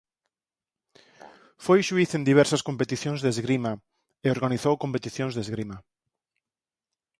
Foi xuíz en diversas competicións de esgrima e organizou competicións de esgrima.